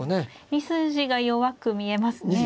２筋弱く見えますね